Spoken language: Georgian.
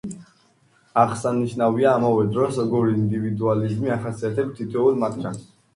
აღსანიშნავია, ამავე დროს როგორი იდივიდუალიზმი ახასიათებთ თითოეულ მათგანს.